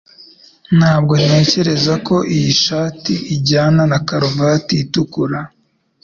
Ntabwo ntekereza ko iyi shati ijyana na karuvati itukura